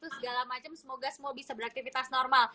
semoga semuanya bisa beraktivitas normal